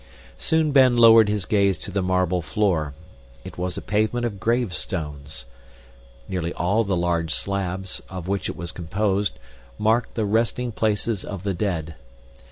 Soon Ben lowered his gaze to the marble floor. It was a pavement of gravestones. Nearly all the large slabs, of which it was composed, marked the resting places of the dead.